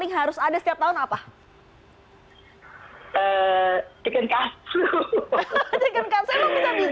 jika puasa misalnya sahur atau buka puasa gitu kan